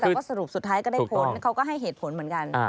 แต่ว่าสรุปสุดท้ายก็ได้ผลเขาก็ให้เหตุผลเหมือนกัน